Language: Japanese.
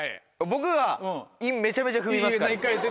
僕は韻めちゃめちゃ踏みます。